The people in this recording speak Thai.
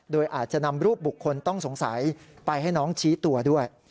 โดยอาจจะนำรูปบุคคลต้องสงสัยไปให้น้องชี้ตัวด้วย